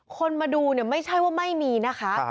คนมาดูเนี่ยไม่ใช่ว่าไม่มีนะคะ